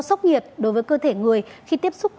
sốc nhiệt đối với cơ thể người khi tiếp xúc